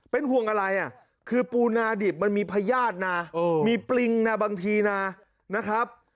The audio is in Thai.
เป็นห่วงอะไรคือปูนาดิบมันมีพยาธิมีปลิงบางทีนะครับ